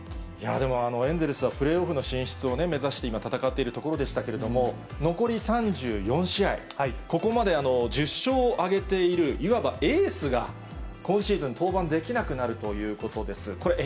でも、エンゼルスはプレーオフの進出をね、目指して今、戦っているところでしたけれども、残り３４試合、ここまで１０勝を挙げている、いわばエースが、今シーズン登板できなくなるということです。